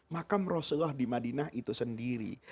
makam rasulullah di madinah itu sendiri